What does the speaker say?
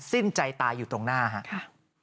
สิ้นใจตายอยู่ตรงหน้าครับ